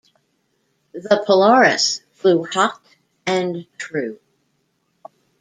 The Polaris flew hot and true.